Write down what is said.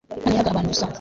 imana yahaga abantu gusa